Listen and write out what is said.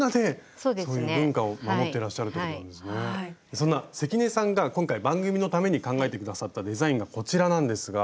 そんな関根さんが今回番組のために考えて下さったデザインがこちらなんですが。